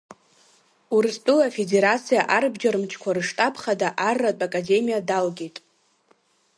Урыстәыла Афедерациа Арбџьармчқәа рыштаб Хада арратә Академиа далгеит.